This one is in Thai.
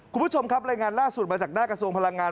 คุณผู้ชมครับรายงานล่าสุดมาจากหน้ากระทรวงพลังงาน